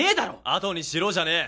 あとにしろじゃねえ